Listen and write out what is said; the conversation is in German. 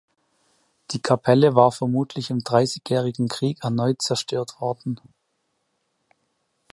Die Kapelle war vermutlich im Dreißigjährigen Krieg erneut zerstört worden.